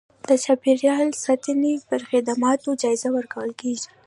د چاپیریال ساتنې پر خدماتو جایزه ورکول کېږي.